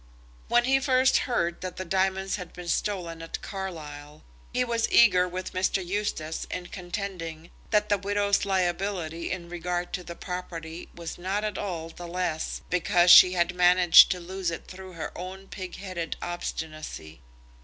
When he first heard that the diamonds had been stolen at Carlisle, he was eager with Mr. Eustace in contending that the widow's liability in regard to the property was not at all the less because she had managed to lose it through her own pig headed obstinacy.